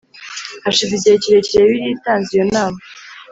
Hashize igihe kirekire Bibiliya itanze iyo nama